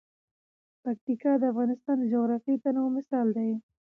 پکتیکا د افغانستان د جغرافیوي تنوع مثال دی.